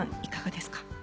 いかがですか？